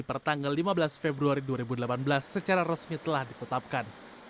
pertanggal lima belas februari dua ribu delapan belas secara resmi telah ditetapkan